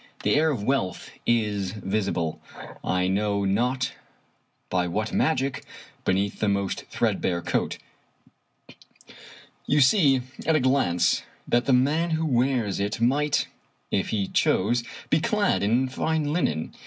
The air of wealth is visible, I know not by what magic, beneath the most threadbare coat. You see at a glance that the man who wears it might, if he chose, be clad in fine linen.